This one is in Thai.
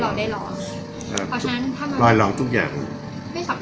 เพราะฉะนั้นถ้ามันไม่สำเร็จเราก็แค่รู้ว่าอ๋อวิธีนี้มันไม่ใช่